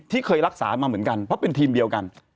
เคยรักษามาเหมือนกันเพราะเป็นทีมเดียวกัน